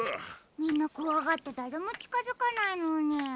みんなこわがってだれもちかづかないのに。